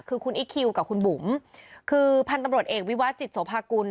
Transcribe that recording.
คือคุณอิ๊กคิวกับคุณบุ๋มคือพันธุ์ตำรวจเอกวิวัตจิตโสภากุล